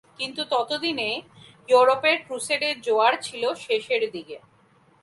কিন্তু ততদিনে ইউরোপের ক্রুসেডের জোয়ার ছিলে শেষের দিকে।